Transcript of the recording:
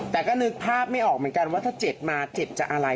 แต่ก็นึกภาพไม่ออกเหมือนกันว่าถ้าเจ็บมาเจ็บจากอะไร